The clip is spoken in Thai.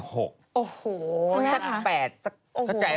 โอ้โหสัก๘สักเข้าใจป่ะโอ้โหตายละ